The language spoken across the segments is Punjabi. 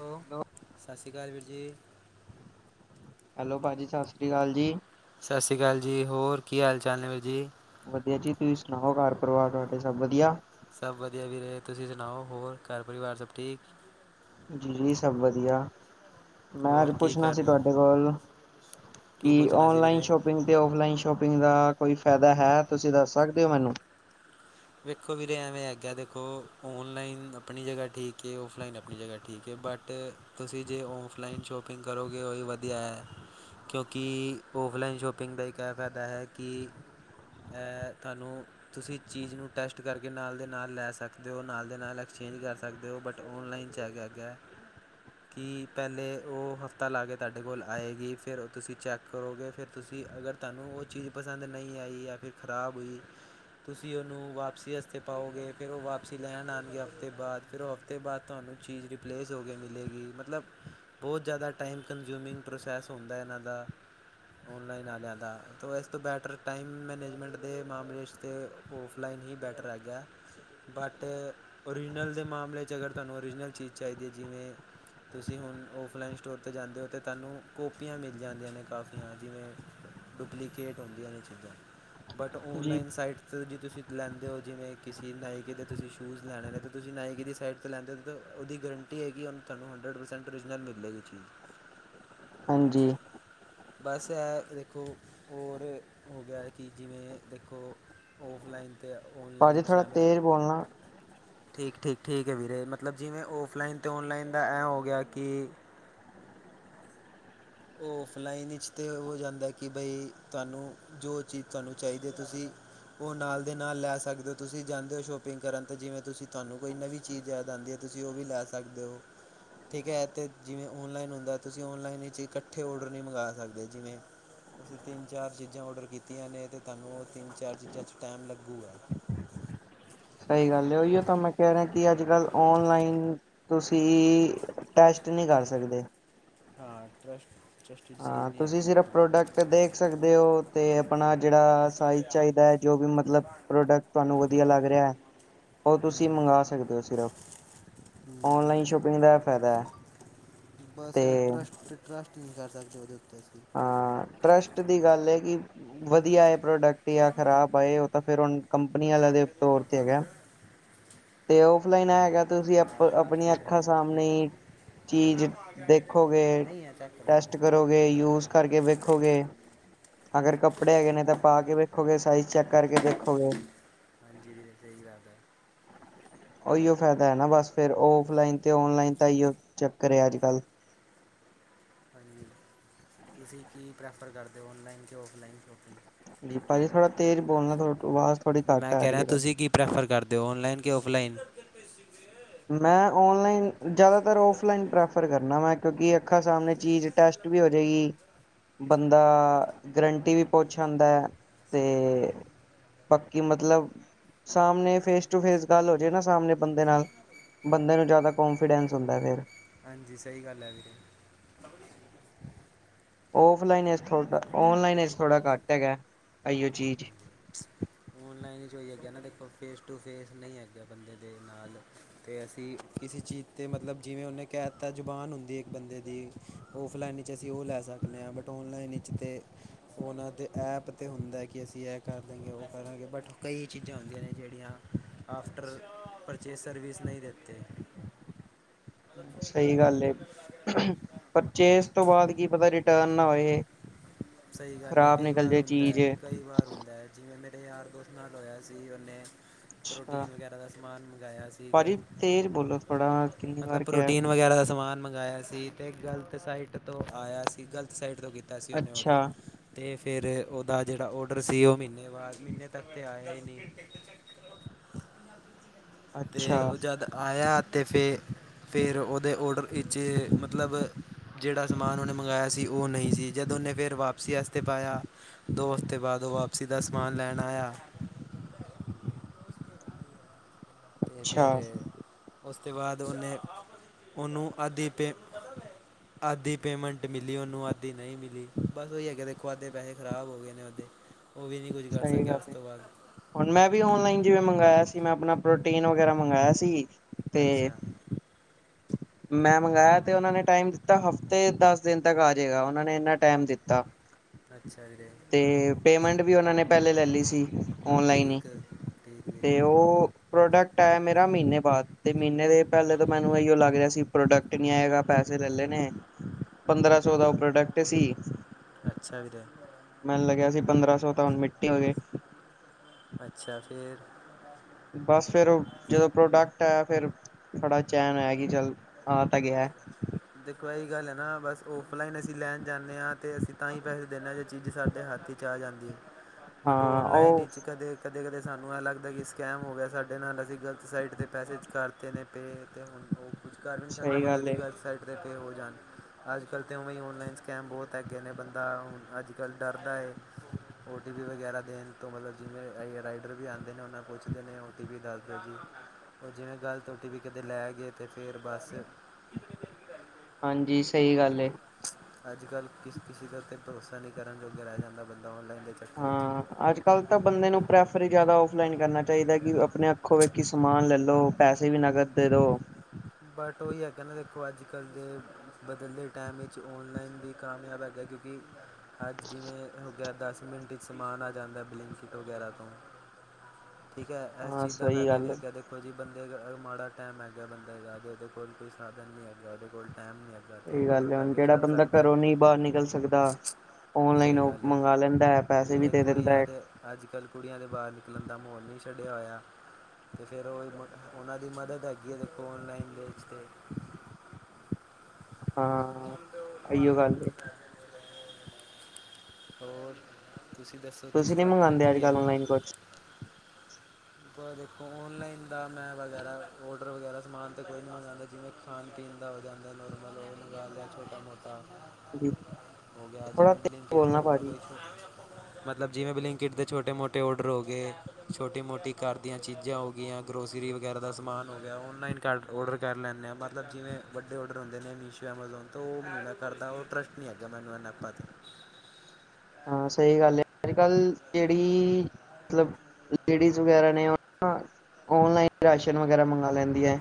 ਹੈਲੋ, ਸਸ ਰੀ ਕਾਲ ਵੀਰ ਜੀ। ਹੈਲੋ ਭਾਜੀ ਸਸ ਰੀ ਕਾਲ ਜੀ। ਸਸ ਰੀ ਕਾਲ ਜੀ ਹੋਰ ਕੀ ਹਾਲ-ਚਾਲ ਨੇ ਵੀਰ ਜੀ। ਵਦੀਆ ਜੀ ਤੁਸੀਂ ਸਨਾਓ ਘਰ ਪਰਿਵਾਰ ਤੁਆਡੇ ਸਬ ਵਦੀਆ। ਸਬ ਵਦੀਆ ਵੀਰੇ ਤੁਸੀਂ ਸਨਾਓ ਹੋਰ ਘਰ ਪਰਿਵਾਰ ਸਬ ਠੀਕ। ਜੀ-ਜੀ ਸਬ ਵਦੀਆ। ਮੈਂ ਅੱਜ ਹੋਰ ਕੀ ਪੁੱਛਨਾ ਕਰ ਸੀ ਰਹੇ ਤੁਆਡੇ ਹੋ। ਕੋਲੋਂ ਕੀ ਕੇ ਪੁੱਛਣਾ ਸੀ ਔਨਲਾਈਨ ਵੀਰੇ। ਸ਼ੋਪ ਸ਼ੌਪਿੰਗ ਤੇ ਔਫਲਾਈਨ ਸ਼ੌਪਿੰਗ ਦਾ ਕੋਈ ਫੈਦਾ ਹੈ ਤੁਸੀਂ ਦੱਸ ਸਕਦੇ ਹੋ ਮੈਨੂੰ। ਵੇਖੋ ਵੀਰੇ ਐਵੇਂ ਹੈਗਾ ਦੇਖੋ ਓਨਲਾਈਨ ਆਪਨੀ ਜਗਾ ਠੀਕ ਏ ਓਫਲਾਈਨ ਆਪ ਆਪਨੀ ਜਗਾ ਠੀਕ ਏ ਬਟ ਤੁਸੀਂ ਜੇ ਓਫਲਾਈਨ ਸ਼ੋਪਿੰਗ ਕਰੋਗੇ ਓਹੀ ਵਦੀਆ ਐ। ਕਿਓਂਕਿ ਔਫਲਾਈਨ ਸ਼ੋਪਿੰਗ ਦਾ ਇੱਕ ਐ ਫੈਦਾ ਐ ਕੀ ਐ ਤੁਆਨੂੰ, ਤੁਸੀਂ ਚੀਜ਼ ਨੂੰ ਟੈਸਟ ਕਰਕੇ ਨਾਲ ਦੇ ਨਾਲ ਲੈ ਸਕਦੇ ਓਂ ਨਾਲ ਦੇ ਨਾਲ ਐਕਸਚੇਂਜ ਕਰ ਸਕਦੇ ਓਂ ਬਟ ਓਨਲਾਈਨ ਚ ਐ ਹੈਗਾ ਕੀ ਪੈਲੇ ਓ ਹਫ਼ਤਾ ਲਾ ਕੇ ਤੁਆਡੇ ਕੋਲ ਆਏਗੀ ਫੇਰ ਓ ਤੁਸੀਂ ਚੈੱਕ ਕਰੋਗੇ ਫਿਰ ਤੁਸੀਂ ਅਗਰ ਤਆਨੂੰ ਓ ਚੀਜ਼ ਪਸੰਦ ਨਈਂ ਆਈ ਜਾਂ ਫਿਰ ਖਰਾਬ ਹੋਈ ਤੁਸੀਂ ਓਨੂੰ ਵਾਪਸੀ ਵਸਤੇ ਪਾਓਗੇ ਫਿਰ ਓ ਵਾਪਸੀ ਲੈਨ ਆਨਗੇ ਹਫ਼ਤੇ ਬਾਦ ਫਿਰ ਓ ਹਫ਼ਤੇ ਬਾਦ ਤੁਆਨੂੰ ਚੀਜ਼ ਰਿਪਲੇਸ ਹੋ ਕੇ ਮਿਲੇਗੀ ਮਤਲਬ ਬਹੁ ਜਾਦਾ ਟਾਈਮ ਕਨਜ਼ਿਊਮਿੰਗ ਪ੍ਰੋਸੈਸ ਹੁੰਦਾ ਏਨਾਂ ਦਾ। ਓਨਲਾਈਨ ਆਲਿਆਂ ਦਾ ਤਾਂ ਏਸ ਤੋਂ ਬੈਟਰ ਟਾਈਮ ਮੈਨੇਜਮੈਂਟ ਦੇ ਮਾਮਲੇ ਚ ਤੇ ਓਫ ਲਾਈਨ ਈ ਬੈਟਰ ਹੈਗਾ। ਬਟ ਓਰੀਜਨਲ ਦੇ ਮਾਮਲੇ ਚ ਅਗਰ ਤਆਨੂੰ ਓਰੀਜਨਲ ਚੀਜ਼ ਚਾਈਦੀ ਐ ਜਿਵੇਂ ਤੁਸੀਂ ਹੁਨ ਓਫਲਾਈਨ ਸਟੋਰ ਤੇ ਜਾਂਦੇ ਓ ਤਾਂ ਤਾਨੂੰ ਕੌਪੀਆਂ ਮਿਲ ਜਾਂਦੀਆਂ ਨੇ ਕਾਫੀਆਂ ਜਿਵੇਂ ਡੁਪਲੀਕੇਟ ਹੁੰਦੀਆਂ ਨੇ ਚੀਜ਼ਾਂ, ਬਟ ਜੀ ਓਨਲਾਈਨ ਸਾਈਟ ਤੇ ਜੇ ਤੁਸੀਂ ਲੈਂਦੇ ਓਂ ਜਿਵੇਂ ਕਿਸੇ ਨਾਈਕੀ ਦੇ ਤੁਸੀਂ ਸ਼ੂਜ਼ ਲੈਨੇ ਨੇ ਤਾਂ ਤੁਸੀਂ ਨਾਇਕੀ ਦੀ ਸਾਈਟ ਤੋਂ ਲੈਂਦੇ ਓ ਤਾਂ ਓਦੀ ਗਰੰ ਟੀ ਹੈਗੀ ਓਨੂੰ ਤਾਨੂੰ ਹੰਡਡ ਪਰਸੈਂਟ ਓਰੀਜਨਲ ਮਿਲਲੇਗੀ ਚੀਜ਼। ਹਾਂਜੀ। ਬਸ ਓਤੋਂ ਦੇਖੋ ਹੋਰ ਹੋ ਗੇਆ ਕੀ ਜਿਵੇਂ ਦੇਖੋ ਓਫਲਾਈਨ ਤੇ ਆ ਓਈ ਭਾਜੀ ਥੋੜਾ ਤੇਜ਼ ਬੋਲਨਾ। ਠੀਕ-ਠੀਕ-ਠੀਕ ਐ ਵੀਰੇ ਮਤਲਬ ਜਿਵੇਂ ਓਫਲਾਈਨ ਤੇ ਓਨਲਾਈਨ ਦਾ ਐਂ ਹੋ ਗੇਆ ਕੀ ਓਫਲਾਈਨ ਵਿੱਚ ਤਾਂ ਏ ਹੋ ਜਾਂਦਾ ਕੇ ਬਈ ਤਆਨੂੰ ਜੋ ਚੀਜ਼ ਤੁਆਨੂੰ ਚਾਈਦੀ ਤੁਸੀਂ ਓ ਨਾਲ ਦੇ ਨਾਲ ਲੈ ਸਕਦੇ ਓਂ ਤੁਸੀਂ ਜਾਂਦੇ ਓ ਸ਼ੋਪਿੰਗ ਕਰਨ ਤਾਂ ਜਿਵੇਂ ਤੁਸੀਂ ਤਆਨੂੰ ਕੋਈ ਨਵੀਂ ਚੀਜ਼ ਯਾਦ ਆਂਦੀ ਐ ਤੁਸੀਂ ਓ ਵੀ ਲੈ ਸਕਦੇ ਓਂ। ਠੀਕ ਐ ਤੇ ਜਿਵੇਂ ਓਨਲਾਈਨ ਹੁੰਦਾ ਤੁਸੀਂ ਓਨਲਾਈਨ ਏ ਚੀਜ਼ ਕੱਠੇ ਔਡਰ ਨਈਂ ਮੰਗਾ ਸਕਦੇ ਜਿਵੇਂ ਤੁਸੀਂ ਤਿੰਨ ਚਾਰ ਚੀਜ਼ਾਂ ਔਡਰ ਕੀਤੀਆਂ ਨੇ ਤੇ ਤਾਨੂੰ ਓ ਤਿੰਨ ਚਾਰ ਚੀਜ਼ਾਂ ਚ ਟੈਮ ਲੱਗੂਗਾ। ਸਈ ਗੱਲ ਐ ਓਈਓ ਤਾਂ ਮੈਂ ਕੈ ਰਿਆਂ ਕੇ ਅੱਜ-ਕੱਲ ਔਨਲਾਈਨ ਤੁਸੀਂ ਟਰੱਸਟ ਨੀ ਕਰ ਸਕਦੇ। ਹਾਂ ਟਰੱਸਟ ਹਾਂ ਤੁਸੀਂ ਸਿਰਫ ਪ੍ਰੋਡਕਟ ਦੇਖ ਸਕਦੇ ਓ ਤੇ ਆਪਨਾ ਜੇੜਾ ਸਾਈਜ਼ ਚਾਈਦਾ ਜੋ ਵੀ ਮਤਲਬ ਪ੍ਰੋਡਕਟ ਤਆਨੂੰ ਵਦੀਆ ਲੱਗ ਰਿਆ ਓ ਤੁਸੀਂ ਮੰਗਾ ਸਕਦੇ ਓਂ ਸਿਰਫ, ਔਨਲਾਈਨ ਸ਼ੋਪਿੰਗ ਦਾ ਆ ਫੈਦੈ। ਬਸ ਟਰੱਸਟ-ਟਰੱਸਟ ਨੀ ਕਰ ਸਕਦੇ ਓਦੇ ਉੱਤੇ ਅਸੀਂ। ਹਾਂ ਟਰੱਸਟ ਦੀ ਗੱਲ ਐ ਕੀ ਵਦੀਆ ਆਏ ਪ੍ਰੋਡਕਟ ਜਾਂ ਖ਼ਰਾਬ ਆਏ ਓ ਤਾਂ ਫਿਰ ਹੁਨ ਕੰਪਨੀ ਆਲਿਆਂ ਦੇ ਤੌਰ ਤੇ ਹੈਗਾ। ਤੇ ਔਫਲਾਈਨ ਹੈ ਨਹੀਂ ਹੈਗਾ, ਤੁਸੀਂ ਆਪ ਲਾਸਟ ਲਾਸਟ ਆਪਣੀਆਂ ਪੀਸ ਹੈ ਅੱਖਾਂ ਲਾਸਟ ਪੀਸ ਹੈ ਸਾਹਮਨੇ ਨਹੀਂ ਆ ਚੱਕ। ਟੈਸਟ ਕਰੋਗੇ, ਯੂਜ ਕਰਕੇ ਵੇਖੋਗੇ ਅਗਰ ਕੱਪੜੇ ਹੈਗੇ ਨੇ ਤਾਂ ਪਾ ਕੇ ਵੇਖੋਗੇ, ਸਾਈਜ਼ ਚੈੱਕ ਕਰਕੇ ਦੇਖੋਗੇ। ਹਾਂਜੀ, ਦੀਦੀ ਸਹੀ ਗੱਲ ਐ। ਉਈਓ ਫਾਇਦਾ ਐ ਨਾ। ਬਸ ਫੇਰ ਔਫਲਾਈਨ ਤੇ ਔਨਲਾਈਨ ਤਾਂ ਐਇਓ ਚੱਕਰ ਆ, ਅੱਜ-ਕੱਲ੍ਹ। ਹਾਂਜੀ, ਤੁਸੀਂ ਕੀ ਪ੍ਰੈਫਰ ਕਰਦੇ। ਔਨਲਾਈਨ ਕਿ, ਔਫਲਾਈਨ ਸ਼ੋਪਿੰਗ ਜੀ, ਭਾਜੀ ਥੋੜਾ ਤੇਜ਼ ਬੋਲਣਾ, ਤਵਾਡੀ ਵਾਜ਼ ਮੈਂ ਕਹਿ ਰਿਆ, ਤੁਸੀਂ ਕੀ ਪ੍ਰੈਫਰ ਕਰਦੇ। ਔਨਲਾਈਨ, ਕਿ ਔਫਲਾਈਨ ਮੈਂ ਔਨਲਾਈਨ, ਜ਼ਿਆਦਾਤਰ ਔਫਲਾਈਨ ਪ੍ਰੈਫਰ ਕਰਨਾ ਮੈਂ ਕਿਉਂਕਿ, ਅੱਖਾਂ ਸਾਹਮਣੇ ਚੀਜ਼ ਟੈਸਟ ਵੀ ਹੋਜੇਗੀ। ਬੰਦਾ, ਗਰੰਟੀ ਵੀ ਪੁੱਛ ਆਂਦਾ ਤੇ ਪੱਕੀ ਮਤਲਬ, ਸਾਹਮਣੇ ਫੇਸ-ਟੂ-ਫੇਸ ਗੱਲ ਹੋਜੇ ਨਾ। ਸਾਹਮਣੇ ਬੰਦੇ ਨਾਲ ਬੰਦੇ ਨੂੰ ਜ਼ਾਦਾ ਕੋਂਨਫੀਡੈਂਸ ਹੁੰਦਾ ਫਿਰ। ਹਾਂਜੀ, ਸਹੀ ਗੱਲ ਐ ਵੀਰੇ। ਔਫਲਾਈਨ ਐਸ ਥੋੜ੍ਹਾ, ਔਨਲਾਈਨ ਐਸ ਥੋੜ੍ਹਾ ਘੱਟ ਹੈਗਾ। ਐਈਓ ਚੀਜ਼ ਔਨਲਾਈਨ 'ਚ ਉਹੀ ਹੈਗਾ ਨਾ। ਦੇਖੋ, ਫੇਸ-ਟੂ-ਫੇਸ ਨਹੀਂ ਹੈਗਾ, ਬੰਦੇ ਦੇ ਨਾਲ ਤੇ ਅਸੀਂ ਕਿਸੇ ਚੀਜ਼ ਤੇ ਮਤਲਬ, ਜਿਵੇਂ ਉਹਨੇ ਕਹਿ ਤਾ ਜ਼ੁਬਾਨ ਹੁੰਦੀ ਇੱਕ ਬੰਦੇ ਦੀ ਔਫਲਾਈਨ ਵਿੱਚ ਅਸੀਂ ਉਹ ਲੈ ਸਕਦੇ ਆ। ਬਟ, ਔਨਲਾਈਨ ਵਿੱਚ ਤੇ ਉਹਨਾਂ ਦੇ ਐਪ ਤੇ ਹੁੰਦਾ, ਕਿ ਅਸੀਂ ਇਹ ਕਰ ਦੇਗੇ, ਉਹ ਕਰਨਗੇ। ਬਟ, ਕਈ ਚੀਜ਼ਾਂ ਹੁੰਦੀਆਂ ਨੇ ਜਿਹੜੀਆਂ ਆਫਟਰ ਪਰਚੇਜ਼ ਸਰਵਿਸ ਨਹੀਂ ਦੇਤੇ। ਸਹੀ ਗੱਲ ਏ। ਪਰਚੇਜ਼ ਤੋਂ ਬਾਅਦ ਕੀ ਪਤਾ, ਰਿਟਰਨ ਨਾ ਹੋਏ। ਸਹੀ ਗੱਲ ਐ। ਖ਼ਰਾਬ ਕਈ ਨਿਕਲ ਵਾਰ ਜੇ ਹੁੰਦਾ, ਚੀਜ਼ ਕਈ ਵਾਰ ਹੁੰਦਾ। ਜਿਵੇਂ ਮੇਰੇ ਯਾਰ ਦੋਸਤ ਨਾਲ ਹੋਇਆ ਸੀ। ਉਹਨੇ ਅੱਛਾ ਪ੍ਰੋਟੀਨ ਵਗੈਰਾ ਦਾ ਸਮਾਨ ਮਗਾਇਆ ਸੀਗਾ। ਭਾਜੀ ਤੇਜ਼ ਬੋਲੋ ਥੋੜਾ ਕਿੰਨੀ ਮਤਲਬ ਵਾਰ ਕਿਹਾ ਪ੍ਰੋਟੀਨ ਵਗੈਰਾ ਦਾ ਸਮਾਨ ਮੰਗਾਆ ਸੀ। ਸੀ ਤੇ ਗਲਤ ਸਾਈਟ ਤੋਂ ਆਇਆ ਸੀ। ਗਲਤ ਸਾਈਟ ਤੋਂ ਕੀਤਾ ਸੀ ਉਹਨੇ ਔਡਰ ਅੱਛਾ ਤੇ ਫਿਰ ਉਹਦਾ ਜਿਹੜਾ ਔਡਰ ਸੀ ਉਹ ਮਹੀਨੇ ਬਾਅਦ, ਮਹੀਨੇ ਤੱਕ ਤਾਂ ਆਇਆ ਈ ਨੀ ਤੇ ਉਹ ਅੱਛਾ-ਅੱਛਾ ਜਦ ਆਇਆ ਤੇ ਫੇ, ਫਿਰ ਉਹਦੇ ਔਡਰ ਇੱਚ ਮਤਲਬ ਜਿਹੜਾ ਸਮਾਨ ਉਹਨੇ ਮੰਗਾਆ ਸੀ, ਉਹ ਨਹੀਂ ਸੀ। ਜਦ ਉਹਨੇ ਫਿਰ ਵਾਪਸੀ ਆਸਤੇ ਪਾਇਆ ਦੋ ਹਫ਼ਤੇ ਬਾਅਦ ਉਹ ਵਾਪਸੀ ਦਾ ਸਮਾਨ ਲੈਣ ਆਇਆ ਤੇ ਫਿਰ ਉਸਦੇ ਬਾਅਦ ਉਹਨੇ, ਉਹਨੂੰ ਅੱਧੀ ਪੇਮ ਆਧੀ ਪੇਮੈਂਟ ਮਿਲੀ ਉਹਨੂੰ, ਆਧੀ ਨਹੀਂ ਮਿਲੀ। ਬਸ ਉਹੀ ਹੈਗਾ। ਦੇਖੋ ਆਧੇ ਪੈਹੇ ਖ਼ਰਾਬ ਹੋਗੇ ਨੇ ਓਧੇ। ਉਹ ਵੀ ਨੀ ਕੁੱਝ ਕਰ ਸਹੀ ਸਕਿਆ, ਉਸ ਗੱਲ ਏ। ਤੋਂ ਬਾਅਦ। ਹੁਣ ਮੈਂ ਵੀ ਔਨਲਾਈਨ ਜਿਵੇਂ ਮੰਗਾਇਆ ਸੀ, ਮੈਂ ਆਪਣਾ ਪ੍ਰੋਟੀਨ ਵਗੈਰਾ ਮੰਗਾਇਆ ਸੀ। ਤੇ ਅੱਛਾ। ਮੈਂ ਮੰਗਾਇਆ ਤੇ ਉਹਨਾਂ ਨੇ ਟਾਈਮ ਦਿੱਤਾ, ਹਫ਼ਤੇ ਦੱਸ ਦਿਨ ਤੱਕ ਆਜੇਗਾ। ਉਹਨਾਂ ਨੇ ਇੰਨਾ ਟਾਈਮ ਦਿੱਤਾ। ਅੱਛਾ ਵੀਰੇ ਤੇ ਪੇਮੈਂਟ ਵੀ ਉਹਨਾਂ ਨੇ ਪਹਿਲੇ ਲੈਲੀ ਸੀ। ਔਨਲਾਈਨ ਈ ਠੀਕ ਠੀਕ ਵੀਰੇ ਤੇ ਉਹ ਪ੍ਰੋਡਕਟ ਆਇਆ ਮੇਰਾ, ਮਹੀਨੇ ਬਾਅਦ। ਤੇ ਮਹੀਨੇ ਦੇ ਪਹਿਲੇ ਤੋਂ ਮੈਨੂੰ ਐਇਓ ਲੱਗ ਰਿਹਾ ਸੀ। ਪ੍ਰੋਡਕਟ ਨਹੀਂ ਆਏਗਾ, ਪੈਸੇ ਲੈਲੈ ਨੇ ਪੰਦਰ੍ਹਾਂ-ਸੌ ਦਾ ਉਹ ਪ੍ਰੋਡਕਟ ਸੀ। ਅੱਛਾ ਵੀਰੇ ਮੈਨੂੰ ਲੱਗਿਆ ਸੀ, ਪੰਦਰਾਂ ਸੌ ਤਾਂ ਹੁਣ ਮਿੱਟੀ ਹੋਗੇ। ਅੱਛਾ ਫੇਰ। ਬਸ ਫੇਰ, ਜਦੋਂ ਪ੍ਰੋਡਕਟ ਆਇਆ ਫਿਰ ਥੋੜਾ ਚੈਨ ਆਇਆ ਕਿ ਚੱਲ, ਆ ਤਾਂ ਗਿਆ। ਦੇਖੋ ਇਹਹੀ ਗੱਲ ਹੈ ਨਾ ਬਸ ਔਫਲਾਈਨ ਅਸੀਂ ਲੈਣ ਜਾਂਦੇ ਹਾਂ ਅਤੇ ਅਸੀਂ ਤਾਂ ਹੀ ਪੈਸੇ ਦਿੰਦੇ ਜੇ ਚੀਜ਼ ਸਾਡੇ ਹੱਥ ਚ' ਆ ਜਾਂਦੀ ਏ। [inaudible] ਬਟ ਔਨਲਾਈਨ ਉਹ ਚ' ਕਦੇ ਕਦੇ- ਕਦੇ ਸਾਨੂੰ ਐਂ ਲੱਗਦਾ ਕਿ ਸਕੈਮ ਹੋ ਗਿਆ ਸਾਡੇ ਨਾਲ ਅਸੀਂ ਗਲਤ ਸਾਈਟ 'ਤੇ ਪੈਸੇ ਕਰਤੇ ਪੇ ਅਤੇ ਹੁਣ ਉਹ ਕੁਛ ਕਰ ਵੀ ਨਹੀਂ ਸਕਦਾ ਸਹੀ ਬੰਦਾ ਗੱਲ ਦੀ ਏ ਵੈੱਬਸਾਈਟ ਉੱਤੇ ਪੇ ਹੋ ਜਾਣ। ਅੱਜ ਕੱਲ ਤੇ ਉਂਹੇ ਔਨਲਾਈਨ ਸਕੈਮ ਬਹੁਤ ਹੈਗੇ ਨੇ ਬੰਦਾ ਹੁਣ ਅੱਜ ਕੱਲ ਡਰਦਾ ਏ। ਓ ਟੀ ਪੀ ਵਗੈਰਾ ਦੇਣ ਤੋਂ ਮਤਲਬ ਜਿਵੇਂ ਰਾਈਡਰ ਵੀ ਆਉਂਦੇ ਨੇ ਉਹਨਾਂ ਪੁੱਛਦੇ ਨੇ ਓ ਟੀ ਪੀ ਦੱਸ ਦਿਓ ਜੀ। ਉਹ ਜਿਵੇਂ ਗਲਤ ਓ ਟੀ ਪੀ ਕਦੇ ਲੈ ਗਏ ਤਾਂ ਫਿਰ ਬਸ ਹਾਂ। ਹਾਂਜੀ, ਸਹੀ ਗੱਲ ਏ। ਅੱਜ ਕੱਲ੍ਹ ਕਿਸ -ਕਿਸੇ ਤੇ ਭਰੋਸਾ ਨਹੀਂ ਕਰਨ ਜੋਗੇ ਰਹਿ ਜਾਂਦਾ ਬੰਦਾ ਔਨਲਾਈਨ ਦੇ ਚੱਕਰ ਵਿੱਚ। ਹਾਂ ਅੱਜ ਕੱਲ ਤਾਂ ਬੰਦੇ ਨੂੰ ਪ੍ਰੈਫਰ ਹੀ ਜ਼ਿਆਦਾ ਔਫਲਾਈਨ ਕਰਨਾ ਚਾਹੀਦਾ ਕਿ ਆਪਣੇ ਅੱਖੋ ਵੇਖ ਸਮਾਨ ਲੈ ਲੋ, ਪੈਸੇ ਵੀ ਨਗਦ ਦੇ ਦੋ। ਬਟ ਉਹੀ ਹੈਗਾ ਹਿਨਾ ਦੇਖੋ ਅੱਜ ਕੱਲ੍ਹ ਦੇ, ਬਦਲਦੇ ਟਾਈਮ ਵਿੱਚ ਔਨਲਾਈਨ ਵੀ ਕਾਮਯਾਬ ਹੈਗਾ। ਕਿਉਂਕਿ ਅੱਜ ਜਿਵੇਂ ਹੋ ਗਿਆ ਦਸ ਮਿੰਟ ਚ' ਸਮਾਨ ਆ ਜਾਂਦਾ ਬਲਿੰਕਿਟ ਵਗੈਰਾ ਤੋਂ। [inaudible] ਠੀਕ ਹੈ ਇਸ ਹਾਂ ਚੀਜ਼ ਦਾ ਸਹੀ ਫਾਇਦਾ ਵੀ ਗੱਲ ਏ ਹੇਗਾ ਦੇਖੋ ਬੰਦੇ ਅ ਮਾੜਾ ਟਾਈਮ ਹੈਗਾ ਬੰਦਾ ਉਹਦੇ ਕੋਲ ਕੋਈ ਸਾਧਨ ਨੀ ਹੈਗਾ ਉਹਦੇ ਕੋਲ ਟਾਈਮ ਨੀ ਹੈਗਾ। ਅਤੇ ਇਹੀ ਉਹ ਔਡਰ ਗੱਲ ਹੈ ਹੁਣ ਕਰਕੇ ਕਿਹੜਾ ਛੱਡ ਬੰਦਾ ਸਕਦਾ ਹੈ। ਘਰੋਂ ਨੀ ਬਾਹਰ ਨਿਕਲ ਸਕਦਾ। ਔਨਲਾਈਨ ਸਹੀ ਉਹ ਗੱਲ ਹੈ ਮੰਗਵਾ ਲੈਂਦਾ ਹੈ ਪੈਸੇ ਵੀ ਜਿਵੇਂ ਦੇ ਦਿੰਦਾ ਕੁੜੀਆਂ ਹੈ। ਦੇ ਅੱਜ ਕੱਲ੍ਹ ਕੁੜੀਆਂ ਦੇ ਬਾਹਰ ਨਿਕਲਣ ਦਾ ਮਾਹੌਲ ਨਹੀਂ ਛੱਡਿਆ ਹੋਇਆ। ਤੇ ਫਿਰ ਉਹ ਉਹਨਾਂ ਦੀ ਮਦਦ ਹੈਗੀ ਹੈ ਦੇਖੋ ਔਨਲਾਈਨ ਵੇ ਵਿੱਚ ਤੇ। ਹਾਂ ਉਹਨ ਤੇ ਉਹਨ ਇਹੀਓ ਮਗਣਾ ਕੋ ਗੱਲ ਏ [unintelligible] ਹੋਰ, ਤੁਸੀਂ ਦੱਸੋ? ਤੁਸੀਂ ਨਹੀਂ ਤੁਹਾਡਾ ਮੰਗਾਉਂਦੇ ਅੱਜ ਕੀ ਹੈ ਕੱਲ ਆਨਲਾਈਨ ਕੁਸ਼? ਦੇਖੋ ਔਨਲਾਈਨ ਦਾ ਮੈਂ ਵਗੈਰਾ ਔਡਰ ਵਗੈਰਾ ਸਮਾਨ ਤਾਂ ਕੋਈ ਨਹੀਂ ਆਉਣਾ ਚਾਹੁੰਦਾ ਜਿਵੇਂ ਖਾਣ- ਪੀਣ ਦਾ ਹੋ ਜਾਂਦਾ ਨੋਰਮਲ ਹੋਣਗਾ ਜਾਂ- ਜਾਂ, ਛੋਟਾ -ਮੋਟਾ। ਹੋ ਗਿਆ ਜੀ ਥੋੜਾ ਮੈਂ ਤੇਜ਼ ਬਲਿੰਕੀਟ ਬੋਲਣਾ ਭਾਜੀ ਮਤਲਬ ਜਿਵੇਂ ਬਲਿੰਕ ਇਟ ਦੇ ਛੋਟੇ- ਮੋਟੇ ਔਡਰ ਹੋ ਗਏ। ਛੋਟੀ- ਮੋਟੀ ਘਰ ਦੀਆਂ ਚੀਜ਼ਾਂ ਹੋ ਗਈਆਂ ਗਰੋਸਰੀ ਵਗੈਰਾ ਦਾ ਸਮਾਨ ਹੋ ਗਿਆ ਔਨਲਾਈਨ ਕਰ ਔਡਰ ਕਰ ਲੈਂਦੇ ਹਾਂ, ਮਤਲਬ ਜਿਵੇਂ ਵੱਡੇ ਔਡਰ ਹੁੰਦੇ ਨੇ ਮੀਸ਼ੋ, ਐਮਾਜ਼ੋਨ ਤੋਂ ਉਹ ਨਹੀ ਮੈ ਕਰਦਾ ਉਹ ਟਰੱਸਟ ਆਪ ਅੱਗੇ ਮੈਂਨੂੰ [unintelligible] ਹਾਂ, ਸਹੀ ਗੱਲ ਹੈ। ਅੱਜ ਕੱਲ੍ਹ, ਜਿਹੜੀ, ਮਤਲਬ ਲੇਡੀਜ਼ ਵਗੈਰਾ ਨੇ ਉਹਨਾ ਔਨਲਾਈਨ ਰਾਸ਼ਨ ਵਗੈਰਾ ਮੰਗਵਾ ਲੈਂਦੀ ਹੈ।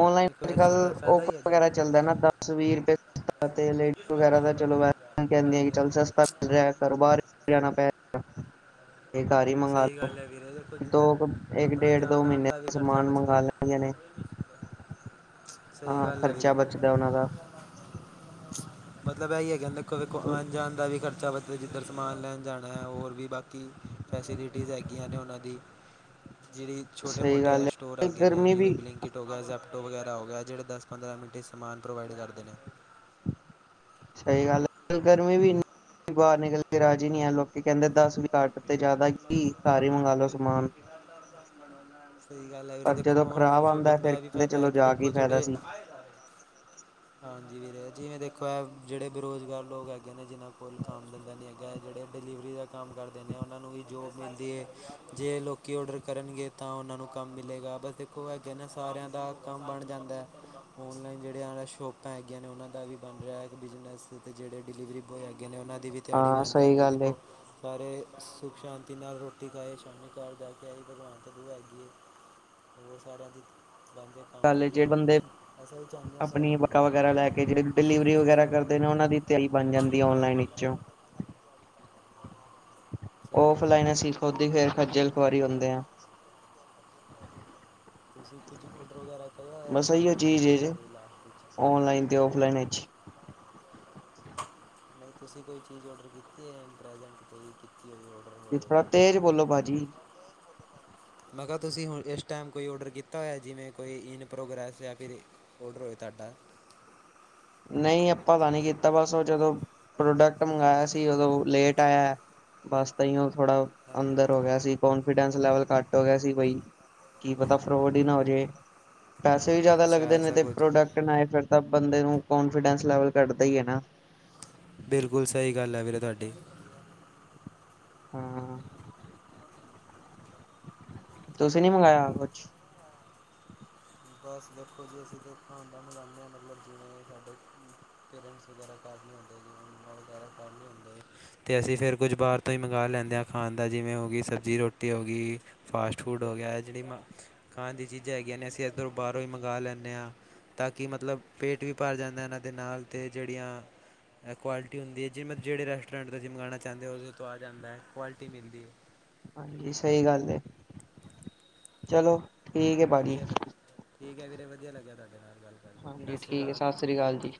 ਓਨਲਾਈਨ ਦੇਖੋ ਅੱਜ ਇਸ ਚੀਜ਼ ਦਾ ਕੱਲ ਫਾਇਦਾ ਓਫਰ ਹੀ ਹੈਗਾ ਵਗੈਰਾ ਚੱਲਦਾ ਨਾ ਦਸ -ਵੀਹ ਰੁਪਏ। ਤੇ ਲੇਡੀਸ ਵਗੈਰਾ ਤਾਂ ਚਲੋ ਵੈਸ ਕਹਿੰਦੀਆਂ ਹਾਂਜੀ ਚੱਲ ਸ ਹਾਂਜੀ ਘਰੋ ਬਾਹਾਰ ਨਹੀ ਜਾਣਾ ਪੈ ਗਾ। ਇਹ ਘਰ ਹੀ ਮੰਗਵਾ ਸਹੀ ਲੋ ਗੱਲ ਹੈ ਵੀਰੇ ਦੇਖੋ ਜਿੱਧਰ ਦੋ। ਕੁ ਇੱਕ ਆਪਣਾ -ਡੇਢ- ਦੋ ਜਾਣ ਆਉਣ ਮਹੀਨੇ ਵੀ ਦਾ ਖਰਚਾ ਸਮਾਨ ਬਚਦਾ ਮੰਗਵਾ ਹੈ। ਲੈ ਨੇੇ। ਸਹੀ ਗਲ ਏ ਵੀਰੇ। ਖਰਚਾ ਬਚਦਾ ਉਹਨਾਂ ਦਾ ਮਤਲਬ ਐ ਈਏ ਕਹਿੰਦੇ, ਵੇਖੋ ਆਣ-ਜਾਣ ਦਾ ਵੀ ਖਰਚਾ ਬੱਚਦਾ ਜਿੱਧਰ ਸਮਾਨ ਲੈਣ ਜਾਣਾ ਏ, ਹੋਰ ਵੀ ਬਾਕੀ ਫੈਸਿਲਿਟੀਜ਼ ਹੈਗੀਆਂ ਨੇ ਉਹਨਾਂ ਦੀ, ਜਿਹੜੀ। ਸਹੀ ਛੋਟੇ-ਮ੍ਹੋਟੇ ਐ ਗੱਲ ਸਟੋਰ ਹੈ ਹੈਗੇ ਨੇ, ਗਰਮੀ ਜਿਵੇਂ ਵੀ ਬਿਲਿੰਕ ਕਿਟ ਹੋ ਗਿਆ, ਜ਼ੈਪਟੋਪ ਵਗੈਰਾ ਹੋਗਿਆ ਜਿਹੜੇ ਦਸ-ਪੰਦਰਾਂ ਮਿੰਟ'ਚ ਸਮਾਨ ਪ੍ਰੋਵਾਈਡ ਕਰਦੇ ਨੇ। ਸਹੀ ਗੱਲ ਗਰਮੀ ਵੀ ਇੰਨੀ, ਬਾਹਰ ਨਿਕਲ ਕੇ ਰਾਜੀ ਨੀ ਆ, ਲੋਕੀ ਕਹਿੰਦੇ ਦਸ ਘੱਟ ਤੇ ਜ਼ਿਆਦਾ ਕੀ, ਘਰ ਈ ਮੰਗਾਲੋ ਸਮਾਨ। ਸਹੀ ਗੱਲ ਐ ਵੀਰੇ, ਪਰ ਦੇਖੋ ਜਦੋਂ ਖ਼ਰਾਬ ਔਨਲਾਈਨ ਆਉਂਦਾ ਸ਼ੋਪਿੰਗ ਫਿਰ ਦਾ ਇਹ ਵੀ ਕਹਿੰਦੇ ਫਾਇਦਾ ਹੈ ਚਲੋ ਕਿ ਜਾ ਕੇ ਦੇਖੋ ਫਾਇਦਾ ਜਿਹੜੇ ਸੀ ਹਾਂਜੀ ਵੀਰੇ, ਜਿਵੇਂ ਦੇਖੋ ਐ ਜਿਹੜੇ ਬੇਰੁਜ਼ਗਾਰ ਲੋਕ ਹੈਗੇ ਨੇ ਜਿਹਨਾਂ ਕੋਲ ਕਾਮ-ਧੰਦਾ ਨੀ ਹੈ ਜਿਹੜੇ ਡਿਲੀਵਰੀ ਦਾ ਕੰਮ ਕਰਦੇ ਨੇ, ਉਹਨਾਂ ਨੂੰ ਵੀ ਜੋਬ ਮਿਲਦੀ ਏ, ਜੇ ਲੋਕ ਕੀ ਔਡਰ ਕਰਨਗੇ ਤਾਂ ਉਹਨਾਂ ਨੂੰ ਕੰਮ ਮਿਲੇਗਾ, ਬਸ ਇੱਕੋ ਹੈਗੇ ਨਾ ਸਾਰਿਆਂ ਦਾ ਕੰਮ ਬਣ ਜਾਂਦੈ। ਔਨਲਾਈਨ ਜਿੜੇ ਆ ਸ਼ੋਪਾਂ ਹੈਗੀਆਂ ਨੇ ਉਹਨਾਂ ਦਾ ਵੀ ਬਣ ਰਿਹਾ ਬਿਜ਼ਨਸ, ਤੇ ਜਿਹੜੇ ਡਿਲੀਵਰੀ ਬੌਯ ਹੈਗੇ ਨੇ ਉਹਨਾਂ ਦੀ ਵੀ ਦਿਹਾੜੀ ਹਾਂ ਬਣ ਸਹੀ ਜਾਂਦੀ ਏ, ਗੱਲ ਦੇਖੋ। ਸਾਰੇ ਸੁੱਖ-ਸ਼ਾਂਤੀ ਨਾਲ ਰੋਟੀ ਖਾਏ, ਸ਼ਾਮੀ ਘਰ ਜਾਕੇ ਆਈ ਭਗਵਾਨ ਤਾਂ ਦੁਆ ਹੈਗੀ ਏ। ਹੋਰ ਸਾਰਿਆਂ ਦੀ ਚਾਹੁੰਦੇ ਆ ਕੰਮ ਕਰ ਗੱਲ ਜਿਹੜੇ ਵਧੀਆ, ਬੰਦੇ ਅਸੀ ਵੀ ਚਾਹੁੰਦੇ ਆ ਸਾਰੇ। ਆਪਣੀ ਬਕਾ ਵਗੈਰਾ ਲੈਕੇ, ਜਿਹੜੇ ਡਿਲੀਵਰੀ ਵਗੈਰਾ ਕਰਦੇ ਨੇ ਉਹਨਾਂ ਦੀ ਦਿਹਾੜੀ ਬਣ ਜਾਂਦੀ ਹੈ ਔਨਲਾਈਨ ਵਿੱਚੋਂ। ਸਹੀ ਗੱਲ ਔਫਲਾਈਨ ਅਸੀ ਹੈ ਖੁਦ ਹੀ ਫੇਰ, ਖੱਜਲ-ਖੁਆਰੀ ਹੁੰਦੇ ਆ। ਤੁਸੀਂ ਕੁਝ ਔਡਰ ਵਗੈਰਾ ਕਰਿਆ ਹੋਇਆ, ਬਸ ਇਹੀਓ ਦੋ-ਤਿੰਨ ਚੀਜ਼ ਹੈ ਦਿਨਾਂ ਜੇ ਦੇ ਲਾਸਟ ਵਿੱਚ? ਔਨਲਾਈਨ ਤੇ ਔਫਲਾਈਨ ਵਿੱਚ? ਨਹੀਂ, ਤੁਸੀਂ ਕੋਈ ਚੀਜ਼ ਔਡਰ ਕੀਤੀ ਐ? ਪ੍ਰੈਜੈਂਟ 'ਹੀ ਕੀਤੀ। [unintelligible] ਔਡਰ ਜੇ ਥੋੜਾ ਤੇਜ ਬੋਲੋ ਭਾਜੀ। ਮੈਂ ਕਿਹਾ ਤੁਸੀਂ ਹੁਣ, ਇਸ ਟਾਈਮ ਕੋਈ ਔਡਰ ਕੀਤਾ ਹੋਇਆ? ਜਿਵੇਂ ਕੋਈ ਇਨ ਪ੍ਰੋਗਰੈਸ ਯਾ ਫਿਰ? ਔਡਰ ਹੋਏ ਤਾਡਾ। ਨਹੀਂ, ਆਪਾਂ ਤਾਂ ਨਹੀਂ ਕੀਤਾ ਬਸ ਉਹ ਜਦੋਂ ਪ੍ਰੋਡਕਟ ਮੰਗਾਇਆ ਸੀ, ਉਦੋਂ ਲੇਟ ਆਇਆ। ਬਸ ਤਾਂਈ ਓ, ਥੋੜਾ ਹਾਂਜੀ ਅੰਦਰ ਹੋਗਿਆ ਸੀ, ਕੌਨਫੀਡੈਂਸ ਲੈਵਲ ਘੱਟ ਹੋਗਿਆ ਸੀ ਬਾਈ, ਕੀ ਪਤਾ ਫਰੌਡ ਈ ਨਾ ਹੋਜੇ। ਪੈਸੇ ਵੀ ਜ਼ਿਆਦਾ ਅੱਛਾ ਲੱਗਦੇ ਨੇ, ਐਸਾ ਤੇ ਕੁਝ ਪ੍ਰੋਡਕਟ ਏ ਫਿਰ ਤਾਂ ਬੰਦੇ ਨੂੰ, ਕੋਂਨਫੀਡੈਂਸ ਲੈਵਲ ਘੱਟਦਾ ਈਏ ਨਾ। ਬਿਲਕੁਲ ਸਹੀ ਗੱਲ ਐ ਵੀਰੇ, ਤੁਹਾਡੀ। ਹਾਂ, ਤੁਸੀ ਨੀ ਮੰਗਾਇਆ ਕੁਛ? ਬਸ ਦੇਖੋ ਜੀ ਅਸੀਂ ਤੇ ਖਾਨਦਾਨ ਮਿਲਾਂਦੇ ਹਾਂ, ਮਤਲਬ ਜਿਵੇਂ ਸਾਡੇ ਸ ਵਗੈਰਾ, ਘਰ ਹੁੰ ਵਗੈਰਾ ਘਰ ਨ ਹੁੰ [unintelligible] ਤੇ ਅਸੀਂ ਫਿਰ ਕੁਝ ਬਾਹਰ ਤੋ ਹੀ ਮੰਗਾ ਲੈਂਨੇ ਆ ਖਾਣ ਦਾ, ਜਿਵੇਂ ਹੋਗੀ ਸਬਜ਼ੀ-ਰੋਟੀ ਹੋ ਗਈ। ਫਾਸਟ-ਫੂਡ ਹੋਗਿਆ, ਜਿਹੜੀ ਮ ਖਾਣ ਦੀ ਚੀਜ਼ਾਂ ਹੈਗੀਆਂ ਨੇ ਅਸੀਂ ਇੱਧਰੋਂ ਬਾਹਰੋਂ ਹੀ ਮੰਗਾ ਲੈਂਨੇ ਆ। ਤਾਂ ਕਿ ਮਤਲਬ, ਪੇਟ ਵੀ ਭਰ ਜਾਂਦਾ ਇਹਨਾਂ ਦੇ ਨਾਲ ਤੇ ਜਿਹੜੀਆਂ ਐ ਕੁਆਲਿਟੀ ਹੁੰਦੀ ਏ, ਜਿ ਮ ਜਿਹੜੇ ਰੈਸਟੋਰੈਂਟ ਤੋਂ ਜੀ ਮਗਾਣਾ ਚਾਹੁੰਦੇ ੳ, ਉਹਦੇ ਤੋਂ ਆ ਜਾਂਦਾ ਏ, ਕੁਆਲਿਟੀ ਮਿਲਦੀ ਏ। ਹਾਂਜੀ ਸਹੀ ਗੱਲ ਏ, ਚਲੋ ਠੀਕ ਹੈ ਭਾਜੀ ਵਧੀਆ ਲਗ, ਠੀਕ ਹੈ ਵੀਰੇ ਵਧੀਆ ਲੱਗਿਆ ਤੁਹਾਡੇ ਨਾਲ। ਗੱਲ ਕਰਕੇ ਹਾਂਜੀ ਸਤਿ ਸ਼੍ਰੀ ਠੀਕ ਏ, ਅਕਾਲ ਸਤਿ ਸ੍ਰੀ ਅਕਾਲ ਜੀ।